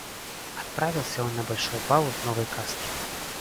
Отправился он на большой бал в новой каске.